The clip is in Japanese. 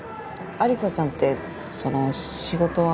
ありさちゃんってその仕事は？